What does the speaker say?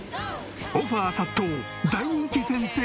オファー殺到大人気先生